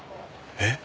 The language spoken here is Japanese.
えっ！？